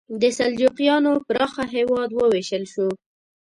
د سلجوقیانو پراخه هېواد وویشل شو.